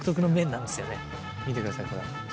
見てくださいこれ。